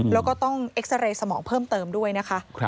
แล้วก็ต้องเอ็กซาเรย์สมองเพิ่มเติมด้วยนะคะ